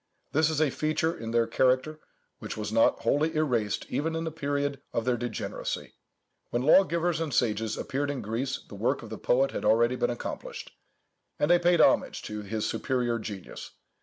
This is a feature in their character which was not wholly erased even in the period of their degeneracy. When lawgivers and sages appeared in Greece, the work of the poet had already been accomplished; and they paid homage to his superior genius.